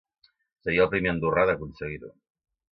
Seria el primer andorrà d’aconseguir-ho.